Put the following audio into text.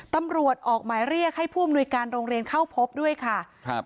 ตำรวจออกหมายเรียกให้ผู้อำนวยการโรงเรียนเข้าพบด้วยค่ะครับ